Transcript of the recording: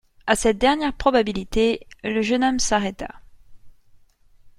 A cette dernière probabilité, le jeune homme s'arrêta.